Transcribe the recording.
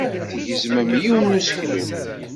Tgezmem yiwen n useklu.